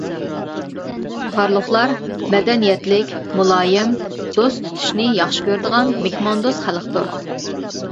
قارلۇقلار مەدەنىيەتلىك، مۇلايىم، دوست تۇتۇشنى ياخشى كۆرىدىغان مېھماندوست خەلقتۇر.